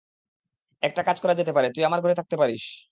একটা কাজ করা যেতে পারে, তুই আমার ঘরে থাকতে পারিস।